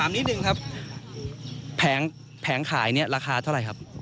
ถามนิดหนึ่งครับแผงแผงขายเนี้ยราคาเท่าไรครับ